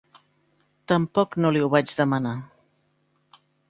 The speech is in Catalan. Tampoc no li ho vaig demanar.